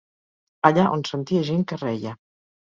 Allà on sentia gent que reia